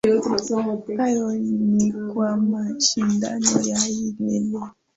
hayo ni kwa mashindano ya hii leo